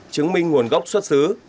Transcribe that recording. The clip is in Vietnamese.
chứng minh nguồn gốc xuất xứ